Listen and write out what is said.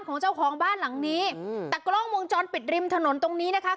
ของเจ้าของบ้านหลังนี้อืมแต่กล้องวงจรปิดริมถนนตรงนี้นะคะ